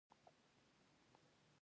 تشدد څخه کار واخلم.